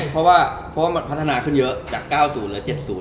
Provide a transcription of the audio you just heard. เพราะว่ามันพัฒนาขึ้นเยอะจาก๙๐เหลือ๗๐